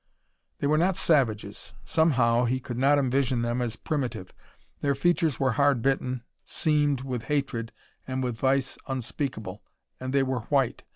They were not savages. Somehow he could not envision them as primitive. Their features were hard bitten, seamed with hatred and with vice unspeakable. And they were white.